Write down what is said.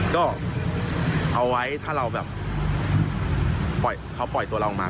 ก็เอาไว้ถ้าเราแบบเขาปล่อยตัวเราออกมา